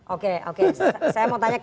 oke oke saya mau tanya ke